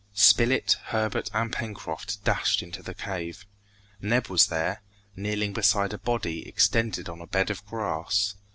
Spilett, Herbert, and Pencroft dashed into the cave. Neb was there, kneeling beside a body extended on a bed of grass.